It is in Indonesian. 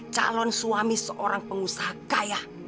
calon suami seorang pengusaha kaya